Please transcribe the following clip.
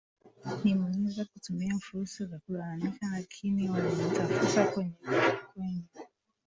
nimeweza kutumia fursa za kulalamika lakini walinitafuta kwenye vi kwenye